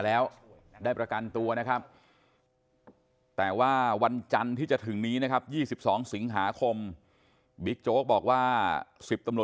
เดี๋ยวฟังมิดโจ๊กนะฮะ